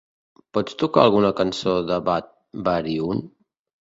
Pots tocar alguna cançó d'Abatte Barihun?